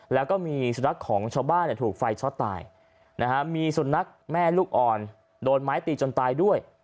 แล้วก็มีสุนัขของชาวบ้านถูกไฟช็อตตายนะฮะมีสุนัขแม่ลูกอ่อนโดนไม้ตีจนตายด้วย